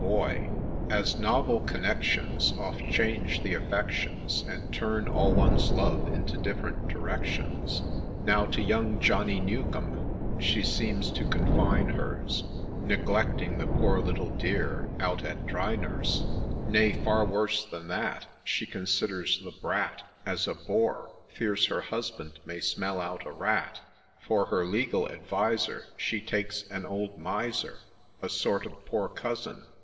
188 SOME ACCOUNT OF A NEW PLAY As novel connections Oft change the affections, And turn all one's love into different directions, Now to young ' Johnny Newcome ' she seems to confine hers, Neglecting the poor little dear out at dry nurse ; Nay, far worse than that, She considers ' the brat ' As a bore — fears her husband may smell out a rat. For her legal adviser She takes an old Miser, A sort of ' poor cousin.'